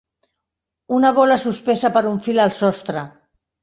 Una bola suspesa per un fil al sostre.